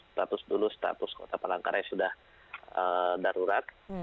status dulu status kota palangkaraya sudah darurat